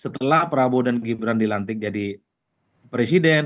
setelah prabowo dan gibran dilantik jadi presiden